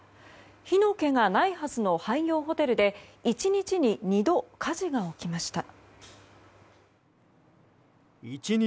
火の気がないはずの廃業ホテルで１日に２度、火事が起きました。